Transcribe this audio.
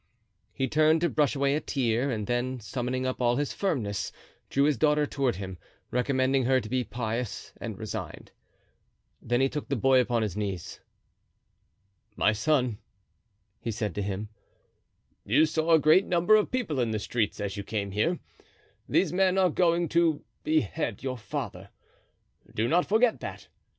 He turned to brush away a tear, and then, summoning up all his firmness, drew his daughter toward him, recommending her to be pious and resigned. Then he took the boy upon his knee. "My son," he said to him, "you saw a great number of people in the streets as you came here. These men are going to behead your father. Do not forget that.